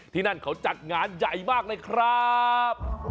ที่นั่นเขาจัดงานใหญ่มากเลยครับ